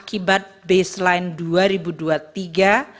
di wilayah ke blank bank